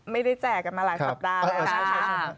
ไม่ได้แจกกันมาหลายสัปดาห์แล้วค่ะ